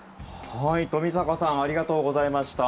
冨坂さんありがとうございました。